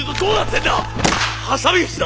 挟み撃ちだ。